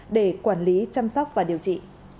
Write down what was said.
để quản lý chăm sóc và điều trị